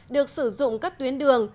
được sử dụng các tuyến đường